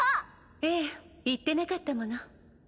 ええ言ってなかったもの。